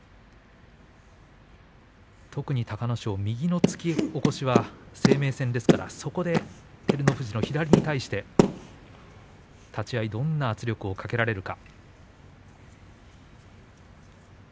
特に隆の勝右の突き起こしは生命線ですからそこで照ノ富士の左に対して立ち合いどんな圧力をかけられるか。